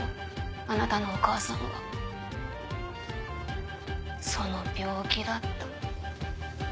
あなたのお母さんはその病気だった。